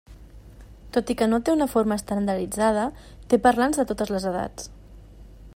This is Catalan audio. Tot i que no té una forma estandarditzada, té parlants de totes les edats.